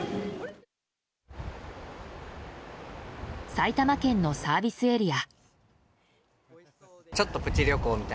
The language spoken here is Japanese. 埼玉県のサービスエリア。